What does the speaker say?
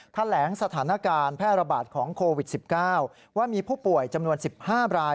แถลงสถานการณ์แพร่ระบาดของโควิด๑๙ว่ามีผู้ป่วยจำนวน๑๕ราย